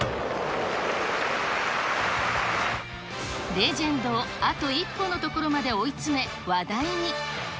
レジェンドをあと一歩のところまで追い詰め、話題に。